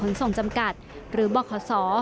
ขนส่งจำกัดหรือบริเคราะห์สอ